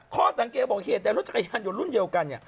ข้อสังเกตบอกเฮียแต่รถจักรยานอยู่รุ่นเยียวกัน